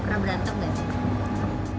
kera berantem gak sih